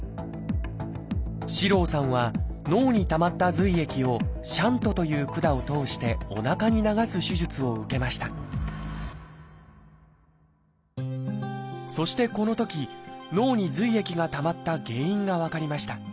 四郎さんは脳にたまった髄液を「シャント」という管を通しておなかに流す手術を受けましたそしてこのとき脳に髄液がたまった原因が分かりました。